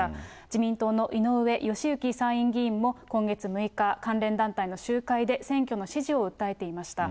自民党の井上義行参院議員も、今月６日、関連団体の集会で選挙の支持を訴えていました。